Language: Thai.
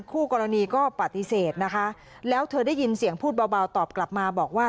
คู่กรณีก็ปฏิเสธนะคะแล้วเธอได้ยินเสียงพูดเบาตอบกลับมาบอกว่า